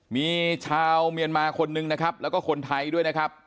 มีชาวเมียนมาคนนึงนะครับแล้วก็คนไทยด้วยนะครับ